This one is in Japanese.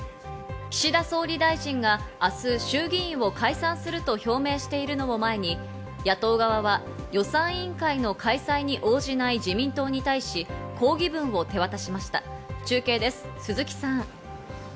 岸田総理大臣が明日、衆議院を解散すると表明しているのを前に野党側は予算委員会の開催に応じない自民党に対し、抗議文を手渡しました中継です、鈴木さん。